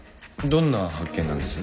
どんな発見なんです？